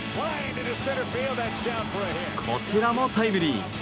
こちらもタイムリー。